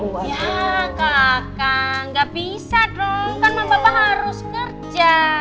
ya kakak gak bisa dong kan mama papa harus kerja